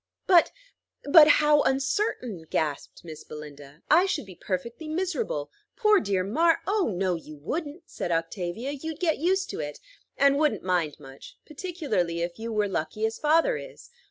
"But but how uncertain!" gasped Miss Belinda: "I should be perfectly miserable. Poor, dear Mar" "Oh, no, you wouldn't!" said Octavia: "you'd get used to it, and wouldn't mind much, particularly if you were lucky as father is.